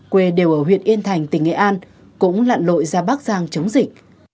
quê đều ở huyện yên thành tỉnh nghệ an cũng lặn lội ra bắc giang chống dịch